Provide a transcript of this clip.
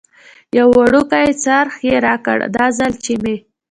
یو وړوکی څرخ یې راکړ، دا ځل چې مې.